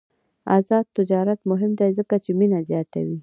آزاد تجارت مهم دی ځکه چې مینه زیاتوي.